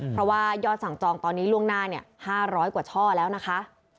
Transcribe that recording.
เพราะว่ายอดสั่งจองตอนนี้ล่วงหน้า๕๐๐กว่าช่อแล้วนะคะ